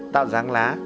tạo dáng lá